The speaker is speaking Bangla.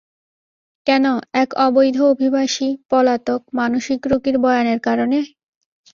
কেন, এক অবৈধ অভিবাসী, পলাতক, মানসিক রোগীর বয়ানের কারণে?